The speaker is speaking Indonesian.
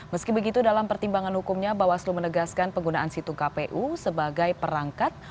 meski begitu dalam pertimbangan hukumnya bawaslu menegaskan penggunaan situng kpu sebagai perangkat